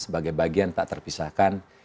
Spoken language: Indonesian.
sebagai bagian tak terpisahkan